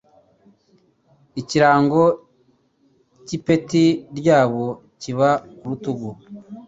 ikirango cy'ipeti ryabo cyiba k'urutugu,